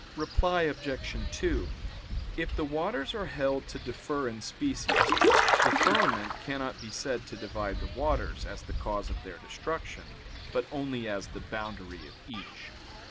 Reply Obj. 2: If the waters are held to differ in species, the firmament cannot be said to divide the waters, as the cause of their destruction, but only as the boundary of each.